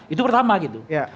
itu pertama gitu